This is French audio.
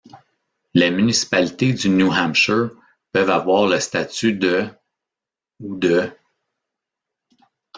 Les municipalités du New Hampshire peuvent avoir le statut de ' ou de '.